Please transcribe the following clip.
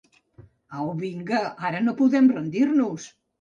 Au, vinga, ara no podem rendir-nos!